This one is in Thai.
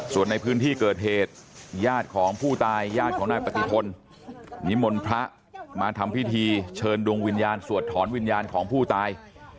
ส่วนในพื้นที่เกิดเหตุญาติของผู้ตายญาติของนายปฏิพลนิมนต์พระมาทำพิธีเชิญดวงวิญญาณสวดถอนวิญญาณของผู้ตาย